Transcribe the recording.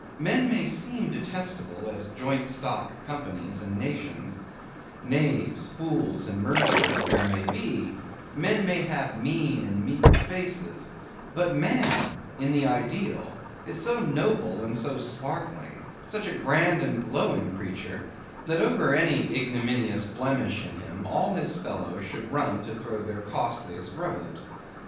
Men may seem detestable as joint stock companies and nations; knaves, fools, and murderers there may be; men may have mean and meagre faces; but man, in the ideal, is so noble and so sparkling, such a grand and glowing creature, that over any ignominious blemish in him all his fellows should run to throw their costliest robes.